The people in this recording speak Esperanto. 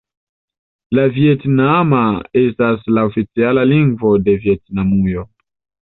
La vjetnama estas la oficiala lingvo de Vjetnamujo.